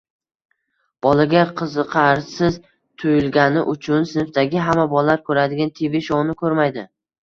bolaga qiziqarsiz tuyulgani uchun sinfdagi hamma bolalar ko‘radigan Tv shouni ko‘rmaydi.